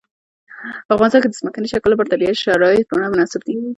په افغانستان کې د ځمکني شکل لپاره طبیعي شرایط پوره مناسب دي.